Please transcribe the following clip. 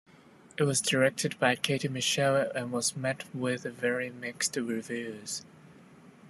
It was directed by Katie Mitchell and was met with very mixed reviews.